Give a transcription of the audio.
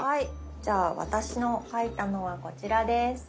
じゃあ私の描いたのはこちらです。